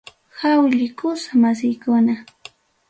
Haylli kusa masiykuna.